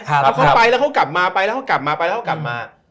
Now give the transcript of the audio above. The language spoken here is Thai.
เขาไปแล้วเขากลับมาไปแล้วกลับมาไปแล้วกลับมา